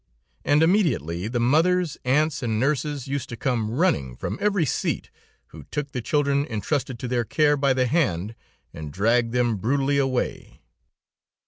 And, immediately, the mothers, aunts and nurses used to come running from every seat, who took the children entrusted to their care by the hand and dragged them brutally away.